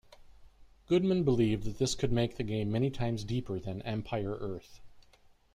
Goodman believed that this could make the game many times deeper than "Empire Earth".